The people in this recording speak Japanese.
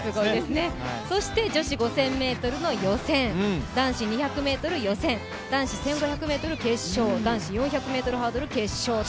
女子５００ｍの予選、男子２００ｍ予選、男子１５００ｍ決勝、男子４００ｍハードル決勝と。